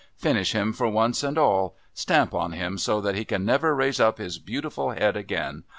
Finish him for once and all. Stamp on him so that he can never raise up his beautiful head again.